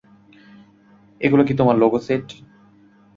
এগুলা কি তোমার লেগো সেট?